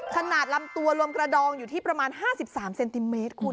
ขนาดลำตัวรวมกระดองอยู่ที่ประมาณ๕๓เซนติเมตรคุณ